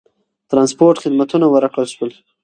ترانسپورت خدمتونه ورکړل شول.